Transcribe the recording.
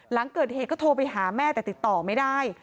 หลังเกิดเหตุก็โทรไปหาแม่แต่ติดต่อไม่ได้